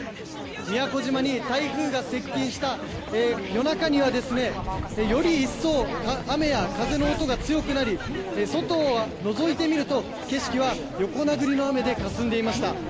「宮古島に台風が最も近づいた夜中にはより一層、雨や風の音が強くなり外をのぞいてみると景色は横殴りの雨でかすんでいました」